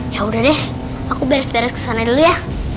yaudah deh aku beres beres kesana dulu ya